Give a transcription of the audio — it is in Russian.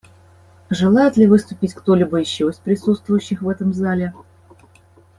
Желает ли выступить кто-либо еще из присутствующих в этом зале?